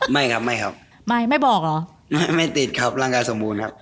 ไม่ครับไม่ครับไม่ไม่บอกเหรอไม่ไม่ติดครับร่างกายสมบูรณ์ครับ